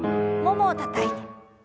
ももをたたいて。